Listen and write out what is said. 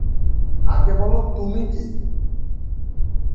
আগে বল তুমি কে?